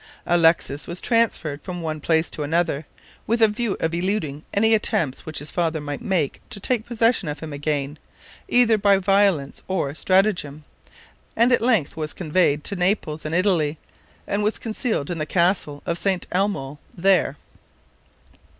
Alexis was transferred from one place to another, with a view of eluding any attempt which his father might make to get possession of him again, either by violence or stratagem, and at length was conveyed to Naples, in Italy, and was concealed in the castle of St. Elmo there.